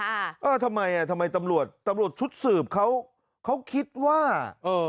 เออทำไมอ่ะทำไมตำรวจตำรวจชุดสืบเขาเขาคิดว่าเออ